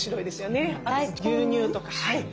あと牛乳とかはい。